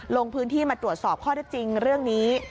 ลงพื้นที่มาตรวจสอบข้อได้จริงเรื่องนี้